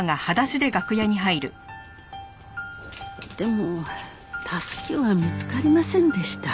でもたすきは見つかりませんでした。